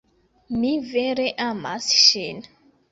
Mi vere amas ŝin.